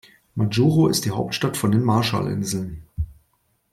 Majuro ist die Hauptstadt von den Marshallinseln.